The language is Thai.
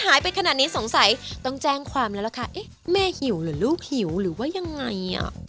หายไปขนาดนี้สงสัยต้องแจ้งความแล้วล่ะค่ะเอ๊ะแม่หิวหรือลูกหิวหรือว่ายังไงอ่ะ